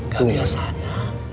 kau ya saatnya